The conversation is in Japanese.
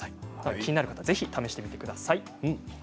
気になる方はぜひ試してください。